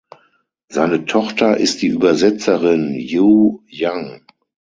Seine Tochter ist die Übersetzerin Yue Yang.